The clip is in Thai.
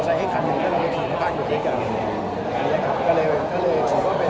ใส่ขึ้นไปก็คิดถึงเรื่องรอบต่าง